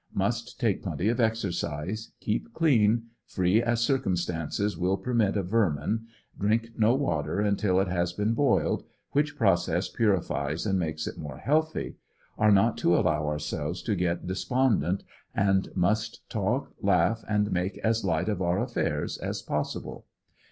Must take plenty of exer cise, keep clean, free as circumstances will permit of vermin, drink no water until it has been boiled, which process purifies and makes it more healthy, are not to allow ourselves to get despondent, and must talk, laujh and make as light of our a^airs as possible.